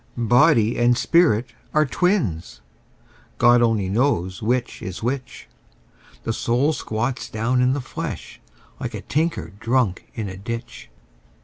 Body and spirit are twins: God only knows which is which: The soul squats down in the flesh, like a tinker drunk in a ditch.